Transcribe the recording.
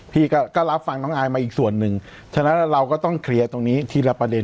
พี่ก็รับฟังน้องอายมาอีกส่วนหนึ่งฉะนั้นเราก็ต้องเคลียร์ตรงนี้ทีละประเด็น